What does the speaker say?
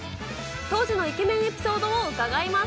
当時のイケメンエピソードを伺います。